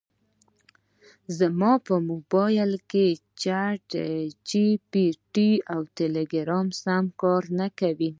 زما مبایل کې چټ جي پي ټي او ټیلیګرام سم کار نکوي